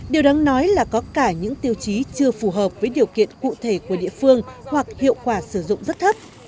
điều đáng nói là có cả những tiêu chí chưa phù hợp với điều kiện cụ thể của địa phương hoặc hiệu quả sử dụng rất thấp